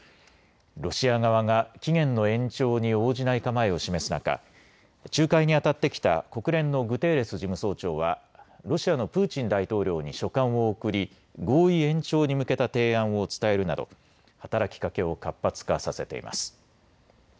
ロシア側が期限の延長に応じない構えを示す中、仲介にあたってきた国連のグテーレス事務総長はロシアのプーチン大統領に書簡を送り合意延長に向けた提案を伝えるなど働きかけを活発化させています。